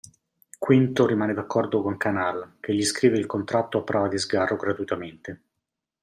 Quinto rimane d'accordo con Canal che gli scrive il contratto a prova di sgarro gratuitamente.